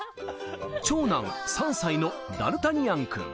長男・３歳のダルタニアンくん。